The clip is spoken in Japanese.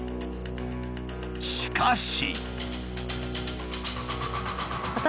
しかし。